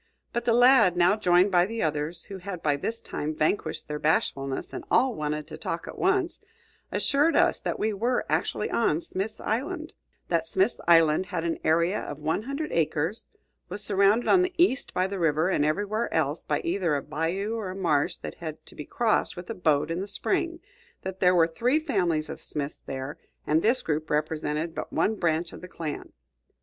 But the lad, now joined by the others, who had by this time vanquished their bashfulness and all wanted to talk at once, assured us that we were actually on Smith's Island; that Smith's Island had an area of one hundred acres, was surrounded on the east by the river, and everywhere else by either a bayou or a marsh that had to be crossed with a boat in the spring; that there were three families of Smiths there, and this group represented but one branch of the clan.